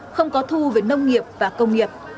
không có thu về nông nghiệp và công nghiệp